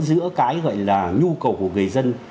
giữa cái gọi là nhu cầu của người dân